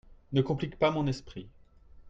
Ne compliques pas mon esprit.